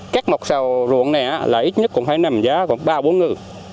các mọc xào ruộng này ít nhất cũng phải nằm giá ba bốn ngư